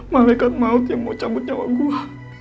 malaikat maut yang mau cabut nyawa gue